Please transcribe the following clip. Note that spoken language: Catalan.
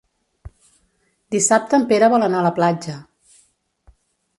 Dissabte en Pere vol anar a la platja.